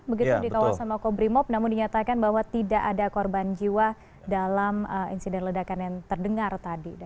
begitu di kawasan makobrimob namun dinyatakan bahwa tidak ada korban jiwa dalam insiden ledakan yang terdengar tadi